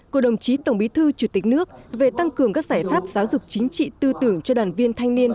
của đồng chí tổng bí thư chủ tịch nước về tăng cường các giải pháp giáo dục chính trị tư tưởng cho đoàn viên thanh niên